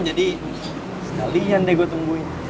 jadi sekalian deh gue tungguin